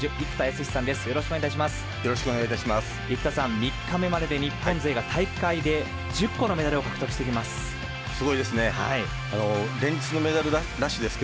生田さん、３日目までで日本勢が大会で１０個のメダルを獲得しています。